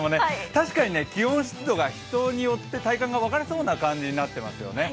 確かに気温、湿度が人によって体感が分かれそうな感じになってますよね。